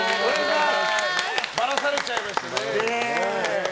ばらされちゃいましたね。